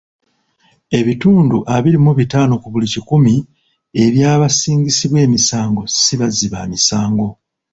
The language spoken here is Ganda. Ebitundu abiri mu bitaano ku buli kikumi eby'abasingisibwa emisango si bazzi ba misango.